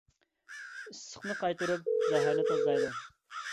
ئىسسىقنى قايتۇرۇپ زەھەرنى تازىلايدۇ.